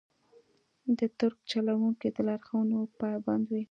د ټرک چلونکي د لارښوونو پابند وي.